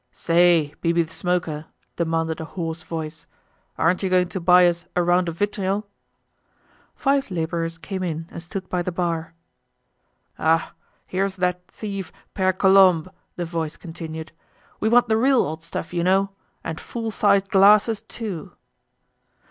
"Say, Bibi the Smoker," demanded a hoarse voice, "aren't you going to buy us a round of vitriol?" Five laborers came in and stood by the bar. "Ah! Here's that thief, Pere Colombe!" the voice continued. "We want the real old stuff, you know. And full sized glasses, too."